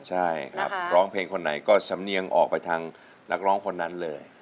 ใช่ครับร้องเพลงคนไหนก็สำเนียงออกไปทางนักร้องคนนั้นเลย